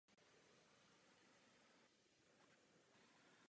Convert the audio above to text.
Obsahuje trávicí enzymy.